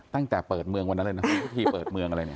ตั้งแต่เปิดเมืองวันนั้นเลยนะมีพิธีเปิดเมืองอะไรเนี่ย